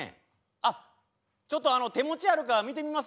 あっちょっとあの手持ちあるか見てみますわ。